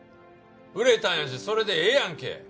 売れたんやしそれでええやんけ。